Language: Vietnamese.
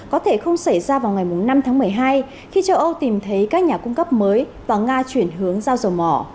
có thể không xảy ra vào ngày năm tháng một mươi hai khi châu âu tìm thấy các nhà cung cấp mới và nga chuyển hướng giao dầu mỏ